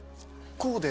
こうで。